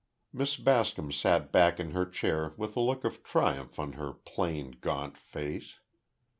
Miss Bascom sat back in her chair with a look of triumph on her plain, gaunt face.